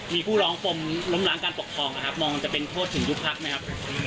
มีผู้ร้องปมล้มล้างการปกครองนะครับมองจะเป็นโทษถึงยุคพักไหมครับ